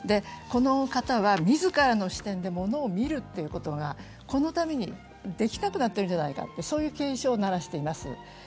この方は自らの視点で物を見るということが、このためにできなくなってるんじゃないかという警鐘を鳴らしています。